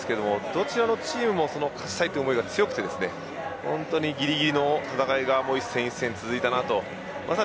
どちらのチームも勝ちたいという思いが強くてぎりぎりの戦いが一戦一戦、続いたと思います。